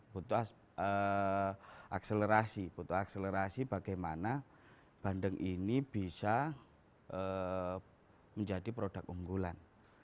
butuh akselerasi butuh akselerasi bagaimana bandeng ini bisa menjadi produk unggulan